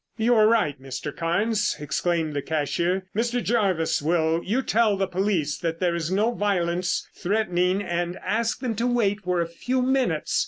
"You are right, Mr. Carnes," exclaimed the cashier. "Mr. Jervis, will you tell the police that there is no violence threatening and ask them to wait for a few minutes?